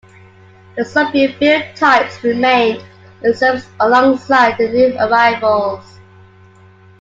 The Soviet-build types remained in service alongside the new arrivals.